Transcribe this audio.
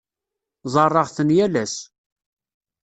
Ẓerreɣ-ten yal ass.